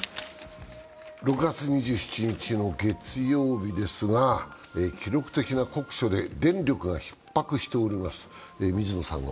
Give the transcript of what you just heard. ７月２７日の月曜日ですが、記録的な酷暑で電力がひっ迫しております。